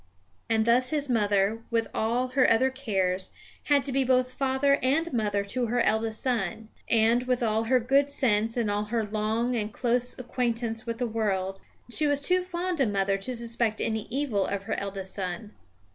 And thus his mother, with all her other cares, had to be both father and mother to her eldest son; and, with all her good sense and all her long and close acquaintance with the world, she was too fond a mother to suspect any evil of her eldest son.